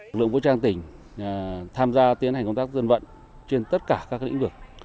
lực lượng vũ trang tỉnh tham gia tiến hành công tác dân vận trên tất cả các lĩnh vực